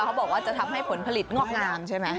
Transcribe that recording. เขาบอกว่าจะทำให้ผลผลิตงอกงามใช่ไหม